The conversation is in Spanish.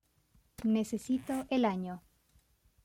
Necesito el año